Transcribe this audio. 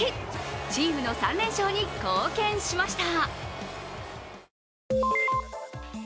チームの３連勝に貢献しました。